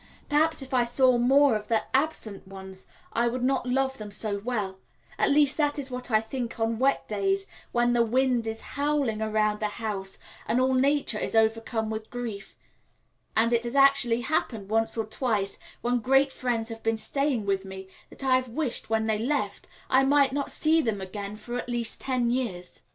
Perhaps, if I saw more of those absent ones, I would not love them so well at least, that is what I think on wet days when the wind is howling round the house and all nature is overcome with grief; and it has actually happened once or twice when great friends have been staying with me that I have wished, when they left, I might not see them again for at least ten years.